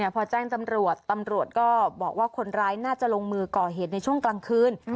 พอแจ้งตำรวจตำรวจก็บอกว่าคนร้ายน่าจะลงมือก่อเหตุในช่วงกลางคืน